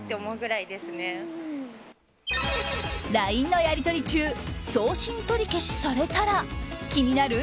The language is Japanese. ＬＩＮＥのやりとり中送信取り消しされたら気になる？